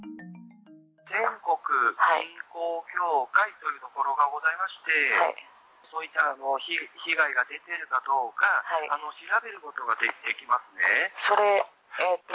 全国銀行協会というところがございまして、そういった被害が出てるかどうか、調べることができますね。